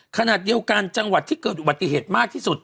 ขณะเดียวกันจังหวัดที่เกิดอุบัติเหตุมากที่สุด